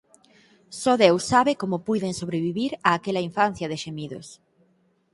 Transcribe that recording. Só Deus sabe como puiden sobrevivir a aquela infancia de xemidos.